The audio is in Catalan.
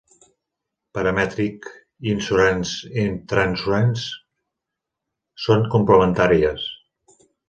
Parametric Insurance i Transurance són complementàries.